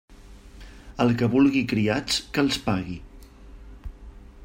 El que vulga criats, que els pague.